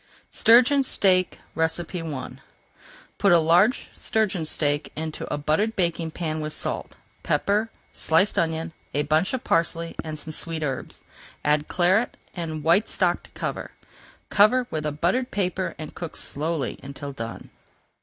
STURGEON STEAK I Put a large sturgeon steak into a buttered baking pan with salt, pepper, sliced onion, a bunch of parsley, and some sweet herbs. Add Claret and white stock to cover. Cover with a buttered paper and cook slowly until done.